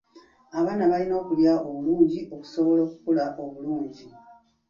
Abaana balina okulya obulungi okusobola okukula obulungi.